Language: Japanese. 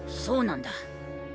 そうなんだ。